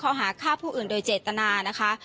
หาฆ่าผู้อื่นโดยเจตนานะคะ